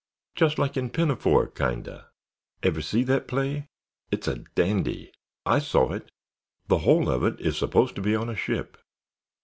"Just like in Pinafore, kind of. Ever see that play? It's a dandy! I saw it—the whole of it is supposed to be on a ship."